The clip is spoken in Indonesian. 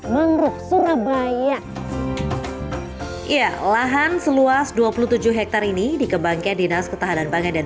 mangrove surabaya ya lahan seluas dua puluh tujuh hektare ini dikembangkan dinas ketahanan pangan dan